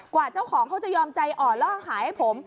กว่าเจ้าของเขาจะยอมใจอ่อนแล้วก็ขายให้ผม